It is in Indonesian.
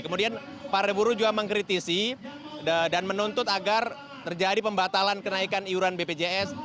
kemudian para buruh juga mengkritisi dan menuntut agar terjadi pembatalan kenaikan iuran bpjs